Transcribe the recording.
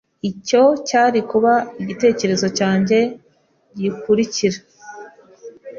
Icyo cyari kuba igitekerezo cyanjye gikurikira.